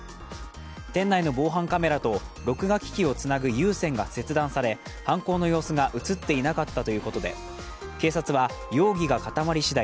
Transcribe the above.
店内の防犯カメラと録画機器をつなぐ有線が切断され、犯行の様子が映っていなかったということで警察は容疑が固まり次第